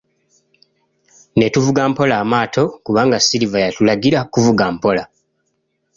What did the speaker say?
Ne tuvuga mpola amaato kubanga Silver yatulagira kuvuga mpola.